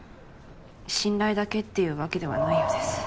「信頼」だけっていうわけではないようです。